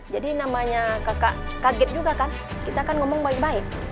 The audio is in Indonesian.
jadi namanya kakak kaget juga kan kita kan ngomong baik baik